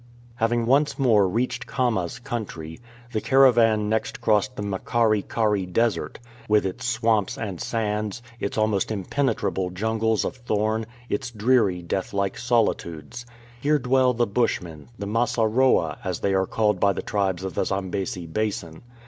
Having once more reached Khama''s country, the caravan next crossed the Makari kari Desert, with its swamps and sands, its almost impenetrable jungles of thorn, its dreary death like solitudes. Here dwell the Bushmen, the Masaroa, as they are called by the tribes of the Zambesi basin.